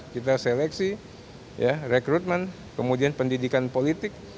kita seleksi rekrutmen kemudian pendidikan politik